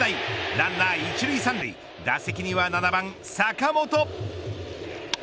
ランナー１塁３塁打席には７番坂本。